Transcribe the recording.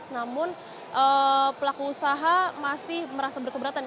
namun pelaku usaha masih merasa berkeberatan